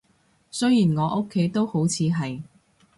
雖然我屋企都好似係